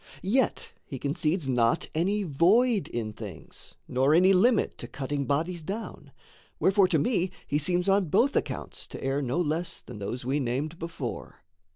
Yet he concedes not any void in things, Nor any limit to cutting bodies down. Wherefore to me he seems on both accounts To err no less than those we named before.